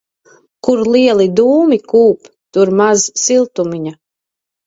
Kur lieli dūmi kūp, tur maz siltumiņa.